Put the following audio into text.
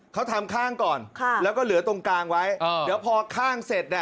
เขาทำข้างก่อนแล้วก็เหลือตรงกลางไว้เดี๋ยวพอข้างเสร็จเนี่ย